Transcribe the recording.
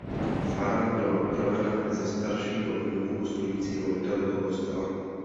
Fara byla upravena ze staršího domku stojícího nedaleko kostela.